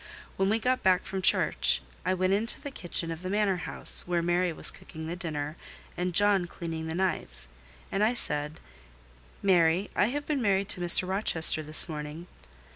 When we got back from church, I went into the kitchen of the manor house, where Mary was cooking the dinner and John cleaning the knives, and I said— "Mary, I have been married to Mr. Rochester this morning."